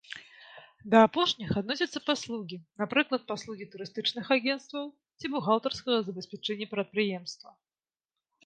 Да апошніх адносяцца паслугі, напрыклад, паслугі турыстычных агенцтваў ці бухгалтарскага забеспячэння прадпрыемства.